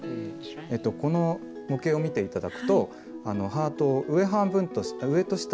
この模型を見て頂くとハートを上と下に分けるとですね